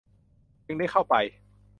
จึงได้เข้าไป